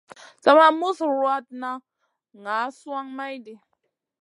Sa ma mus ruwatn ŋa suan mayɗi.